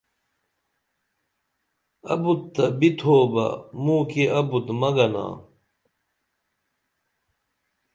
ابُت تہ بی تھوبہ موں کی ابُت مہ گنا